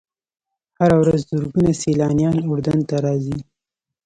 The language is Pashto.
هره ورځ زرګونه سیلانیان اردن ته راځي.